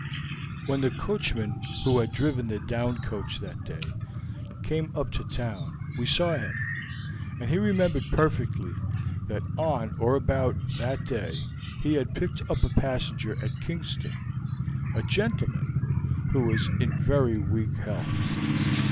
"When the coachman who had driven the down coach that day came up to town, we saw him, and he remembered perfectly that on or about that day he had picked up a passenger at Kingston a gentleman who was in very weak health.